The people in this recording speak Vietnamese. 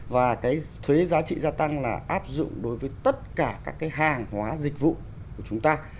và cái thuế giá trị gia tăng là áp dụng đối với tất cả các cái hàng hóa dịch vụ của chúng ta